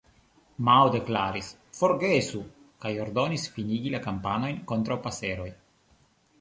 Mao deklaris "forgesu", kaj ordonis finigi la kampanjon kontraŭ paseroj.